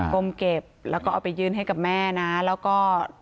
ก้มเก็บแล้วก็เอาไปยืนให้กับแม่นะแล้วก็